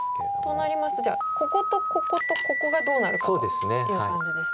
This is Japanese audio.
となりますとじゃあこことこことここがどうなるかという感じですね。